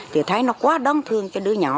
thì thấy nó quá đớn thương cho đứa nhỏ